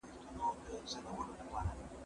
زه به مېوې راټولې کړي وي!!